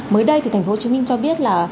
mới đây thì thành phố hồ chí minh cho biết là